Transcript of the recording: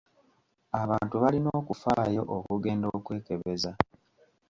Abantu balina okufaayo okugenda okwekebeza.